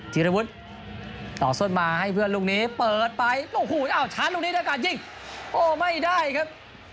ธีรวุฒิต่อส้นมาให้เพื่อนลูกนี้เปิดไปโอ้โหอ้าวช้าลูกนี้ด้วยการยิงโอ้ไม่ได้ครับ